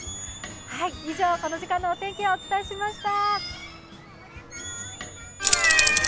以上、この時間のお天気をお伝えしました。